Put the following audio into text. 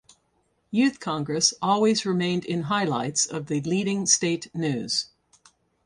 Youth Congress always remained in highlights of the leading state news.